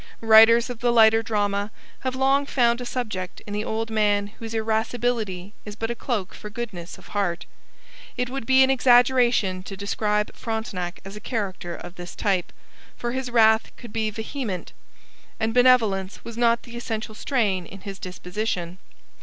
Writers of the lighter drama have long found a subject in the old man whose irascibility is but a cloak for goodness of heart. It would be an exaggeration to describe Frontenac as a character of this type, for his wrath could be vehement, and benevolence was not the essential strain in his disposition.